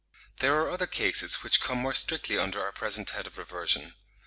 There are other cases which come more strictly under our present head of reversion.